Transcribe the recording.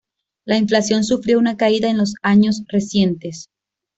La inflación sufrió una caída en años recientes.